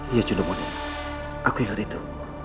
iya juno manik aku ingat itu